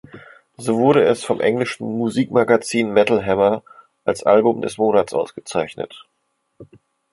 So wurde es vom englischen Musikmagazin Metal Hammer als "Album des Monats" ausgezeichnet.